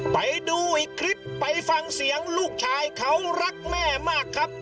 ไปดูอีกคลิปไปฟังเสียงลูกชายเขารักแม่มากครับ